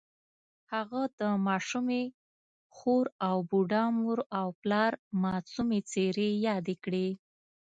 هغه د ماشومې خور او بوډا مور او پلار معصومې څېرې یادې کړې